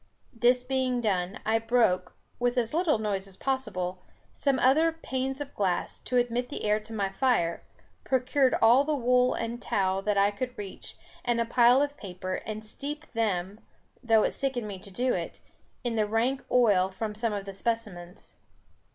This being done, I broke, with as little noise as possible, some other panes of glass, to admit the air to my fire, procured all the wool and tow that I could reach, and a pile of paper, and steeped them, though it sickened me to do it, in the rank oil from some of the specimens.